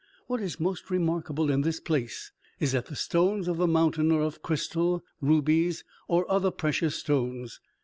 What is most remarkable in this place is that the stones of the mountain are of crystal, rubies, or other precious stones.